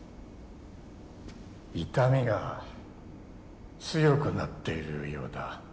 痛みが強くなっているようだ。